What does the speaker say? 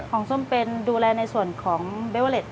ส้มเป็นดูแลในส่วนของเบเวอเล็ต